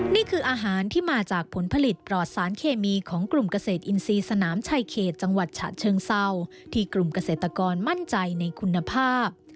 นี่คืออาหารที่มาจากผลผลิตปลอดสารเคมีของกลุ่มเกษตรอินทรีย์สนามชายเขตจังหวัดฉะเชิงเศร้าที่กลุ่มเกษตรกรมั่นใจในคุณภาพ